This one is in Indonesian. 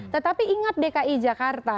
tetapi ingat dki jakarta